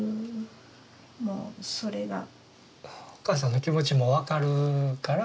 お母さんの気持ちも分かるから。